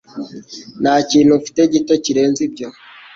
Nta kintu ufite gito kirenze ibyo